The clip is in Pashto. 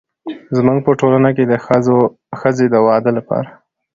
زموږ په ټولنه کې د ښځې د واده لپاره